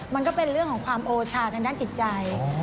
มันก็เป็นเรื่องของความโอชาทางด้านจิตใจ